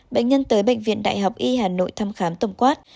bệnh nhân tới bệnh viện đại học y hà nội thăm khám tổng quát